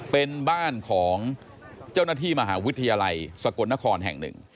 เป็นบ้านของเจ้าหน้าที่มหาวิทยาลัยสกลนครแห่งหนึ่ง